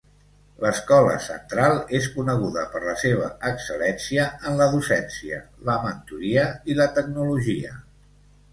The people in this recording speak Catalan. L'Escola Central és coneguda per la seva excel·lència en la docència, la mentoria i la tecnologia.